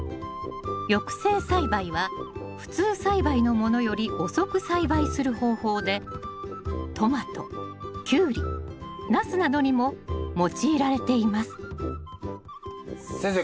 抑制栽培は普通栽培のものより遅く栽培する方法でトマトキュウリナスなどにも用いられています先生